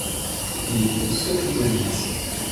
Il épouse Sophie de Luynes.